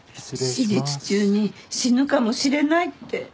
手術中に死ぬかもしれないって。